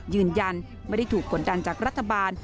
ยืนยันไม่ได้ถูกกดดันจากรัฐบาล